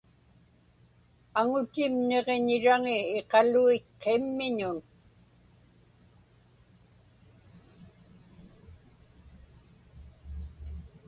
Aŋutim niġiñiraŋi iqaluit qimmiñun.